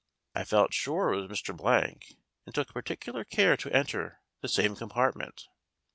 I felt sure it was Mr. Blank, and took particular care to enter the same com partment.